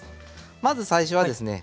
まず最初はですね